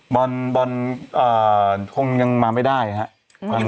บอลบอลเอ่อคงยังมาไม่ได้ฮะอืม